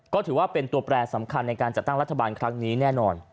ก็ถือว่าเป็นตัวแปรสำคัญในการจัดตั้งรัฐบาลครั้งนี้แน่นอน